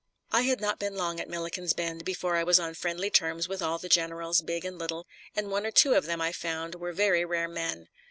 I had not been long at Milliken's Bend before I was on friendly terms with all the generals, big and little, and one or two of them I found were very rare men.